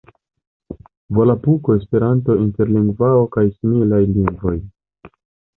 Volapuko, Esperanto, Interlingvao kaj similaj lingvoj.